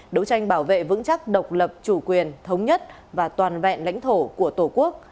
đấu tranh bảo vệ vững chắc độc lập chủ quyền thống nhất và toàn vẹn lãnh thổ của tổ quốc